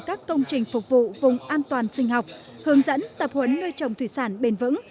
các công trình phục vụ vùng an toàn sinh học hướng dẫn tập huấn nuôi trồng thủy sản bền vững